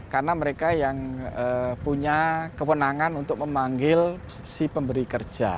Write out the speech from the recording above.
karena mereka yang punya kewenangan untuk memanggil si pemberi kerja